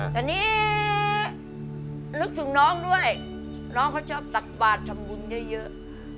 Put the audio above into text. แต่นี่นึกถึงน้องด้วยน้องเขาชอบตักบาททำบุญเยอะ